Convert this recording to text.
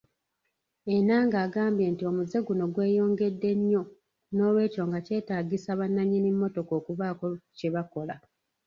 Enanga agambye nti omuze guno gweyongedde nnyo noolwekyo nga kyetaagisa bannanyini mmotoka okubaako kye bakola.